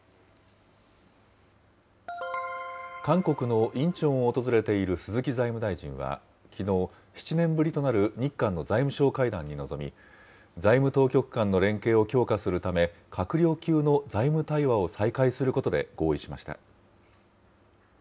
韓国のインチョンを訪れている鈴木財務大臣はきのう、７年ぶりとなる日韓の財務相会談に臨み、財務当局間の連携を強化するため、閣僚級の財務対話を再開することで合意しました。